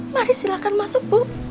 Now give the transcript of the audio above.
mari silahkan masuk ibu